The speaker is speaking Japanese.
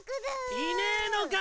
いねえのか？